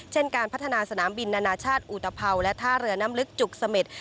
การพัฒนาสนามบินนานาชาติอุตภัวและท่าเรือน้ำลึกจุกเสม็ด